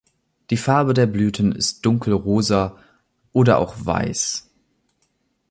Die Farbe der Blüten ist dunkelrosa oder auch weiß.